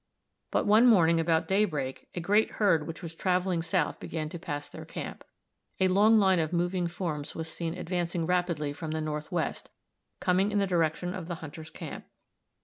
But one morning about daybreak a great herd which was traveling south began to pass their camp. A long line of moving forms was seen advancing rapidly from the northwest, coming in the direction of the hunters' camp.